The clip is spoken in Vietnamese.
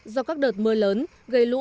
do các đợt mưa lớn gây lũ